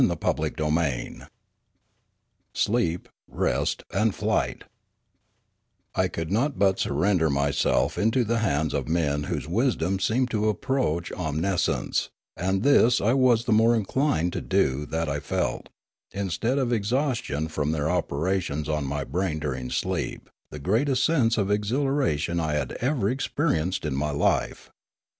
CHAPTER III SLEEP, REST, AND FLIGHT I COULD not but surrender myself into the hands of men whose wisdom seemed to me to approach om niscience; and this I was the more inclined to do that I felt, instead of exhaustion from their operations on my brain during sleep, the greatest sense of exhilara tion I had ever experienced in my life.